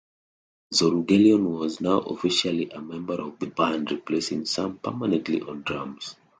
Zorugelion was now officially a member of the band replacing Samm permanently on drums.